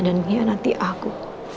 dan menyanati aku